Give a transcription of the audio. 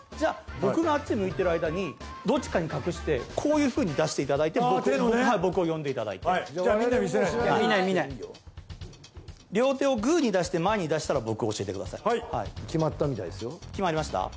僕があっち向いてる間にどっちかに隠してこういうふうに出していただいて僕を呼んでいただいてみんなに見せないのね見ない見ない両手をグーに出して前に出したら僕に教えてください決まったみたいですよ決まりました？